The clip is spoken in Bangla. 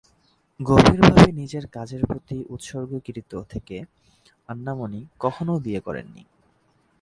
গভীরভাবে নিজের কাজের প্রতি উৎসর্গীকৃত থেকে, আন্না মনি কখনও বিয়ে করেননি।